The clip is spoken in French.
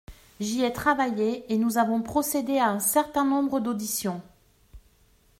J’y ai travaillé et nous avons procédé à un certain nombre d’auditions.